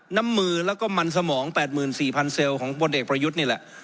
น้ำมือแล้วก็มันสมอง๘๔๐๐เซลล์ของพลเอกประยุทธ์นี่แหละ